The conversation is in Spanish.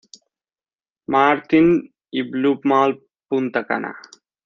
Maarten y Blue Mall Punta Cana.